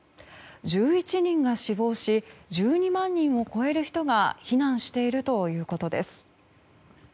１１人が死亡し１２万人を超える人が避難しているということです。